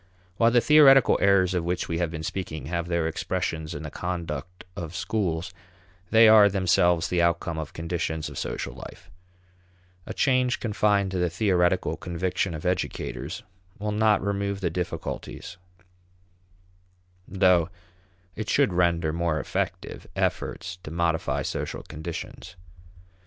While the theoretical errors of which we have been speaking have their expressions in the conduct of schools, they are themselves the outcome of conditions of social life. A change confined to the theoretical conviction of educators will not remove the difficulties, though it should render more effective efforts to modify social conditions.